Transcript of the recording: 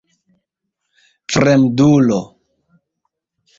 fremdulo